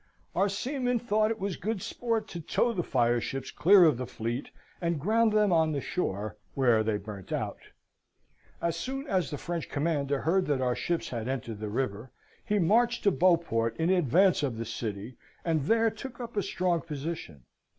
Our seamen thought it was good sport to tow the fireships clear of the fleet, and ground them on the shore, where they burned out. As soon as the French commander heard that our ships had entered the river, he marched to Beauport in advance of the city and there took up a strong position.